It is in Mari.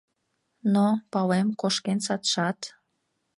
Но, палем, кошкен садшат.